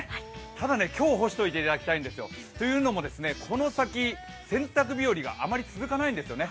ただ、今日干しておいていただきたいんですよ。というのもこの先、洗濯日和があまり続かないんですよね。